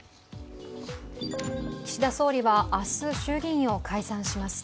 岸田総理は明日、衆議院を解散します。